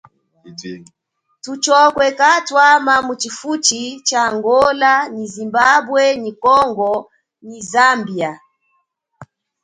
Thutshokwe katwama mu chifuchi cha Angola nyi Zimbabwe nyi Congo nyi Zambie.